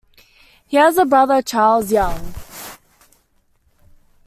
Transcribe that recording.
He has a brother Charles Young.